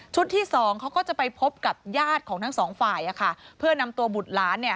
ชุดที่สองเขาก็จะไปพบกับญาติของทั้งสองฝ่ายเนอะค่ะเพื่อนำตัวบุรรณัสเนี่ย